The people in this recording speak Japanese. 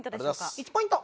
１ポイント。